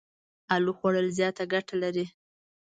الو خوړ ل زياته ګټه لري.